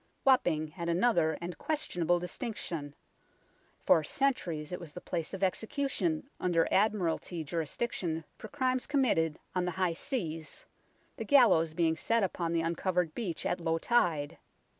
Wapping had another and questionable dis tinction. For centuries it was the place of execution under Admiralty jurisdiction for crimes committed on the high seas, the gallows being set upon the uncovered beach at low tide.